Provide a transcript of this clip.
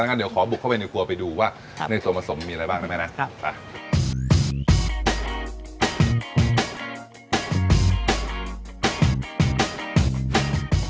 นะครับเดี๋ยวขอบุกเข้าไปในครัวไปดูว่าครับในส่วนผสมมีอะไรบ้างได้ไหมนะครับไป